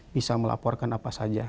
bisa melaporkan apa saja